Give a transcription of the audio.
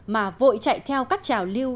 mà vội chạy theo các trào lưu